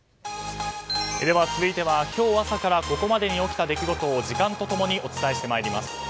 続いては今日朝からここまでに起きた出来事を時間と共にお伝えしてまいります。